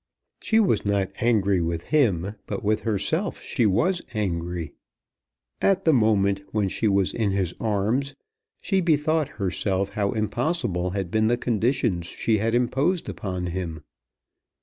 She was not angry with him, but with herself she was angry. At the moment, when she was in his arms, she bethought herself how impossible had been the conditions she had imposed upon him.